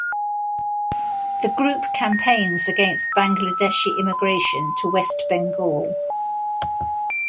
The group campaigns against Bangladeshi immigration to West Bengal.